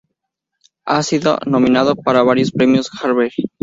Ha sido nominado para varios Premios Harvey.